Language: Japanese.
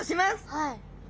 はい。